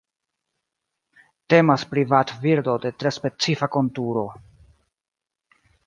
Temas pri vadbirdo de tre specifa konturo.